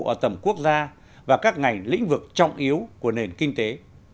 ở tầm quốc gia và các ngành lĩnh vực trọng yếu của nền kinh tế